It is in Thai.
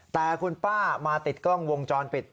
แต่คุณป้ามาติดกล้องวงจรปิด